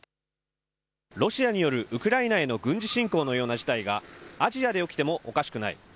ロシアによるウクライナへの軍事侵攻のような事態がアジアで起きてもおかしくない。